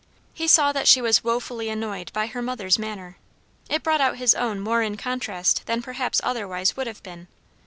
He saw that she was wofully annoyed by her mother's manner; it brought out his own more in contrast than perhaps otherwise would have been.